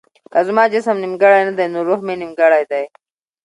که زما جسم نيمګړی نه دی نو روح مې نيمګړی دی.